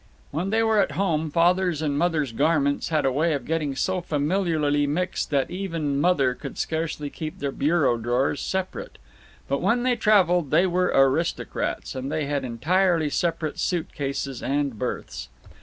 When they were at home Father's and Mother's garments had a way of getting so familiarly mixed that even Mother could scarcely keep their bureau drawers separate. But when they traveled they were aristocrats, and they had entirely separate suit cases and berths.